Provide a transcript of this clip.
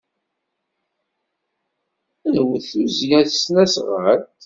Ad d-nwet tuzzya s tesnasɣalt.